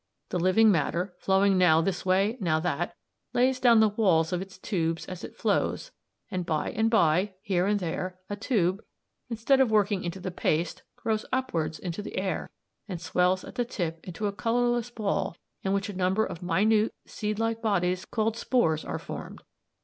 The living matter, flowing now this way now that, lays down the walls of its tubes as it flows, and by and by, here and there, a tube, instead of working into the paste, grows upwards into the air and swells at the tip into a colourless ball in which a number of minute seed like bodies called spores are formed.